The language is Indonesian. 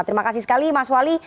terima kasih sekali mas wali